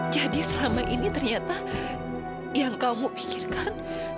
jadi selama ini ternyata yang kamu pikirkan